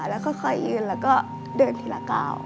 แล้วค่อยยืนแล้วก็เดินทีละกาว